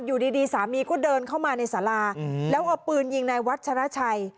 อยู่ดีสามีก็เดินเข้ามาในสาราแล้วเอาปืนยิงนายวัชราชัย